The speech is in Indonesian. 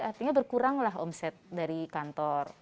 artinya berkuranglah omset dari kantor